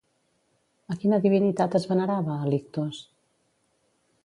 A quina divinitat es venerava, a Lictos?